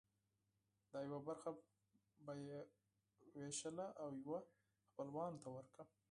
دا یوه برخه به یې وویشله او یوه خپلوانو ته ورکړه.